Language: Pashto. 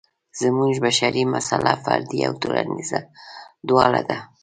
زموږ بشري مساله فردي او ټولنیزه دواړه ده.